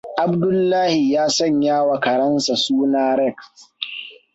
Abdullahi ya sanyawa karensa suna Rex.